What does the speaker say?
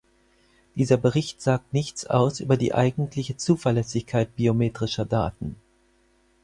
Dieser Bericht sagt nichts aus über die eigentliche Zuverlässigkeit biometrischer Daten.